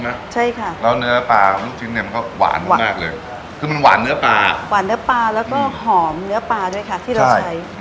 หวานเนื้อปลาแล้วก็หอมเนื้อปลาด้วยค่ะที่เราใช้